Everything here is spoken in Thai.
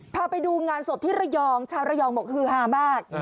พาไปดูงานศพที่ระยองชาวระยองบอกฮือฮามาก